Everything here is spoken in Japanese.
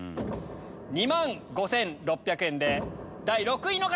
２万５６００円で第６位の方！